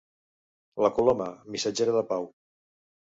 La coloma, missatgera de pau.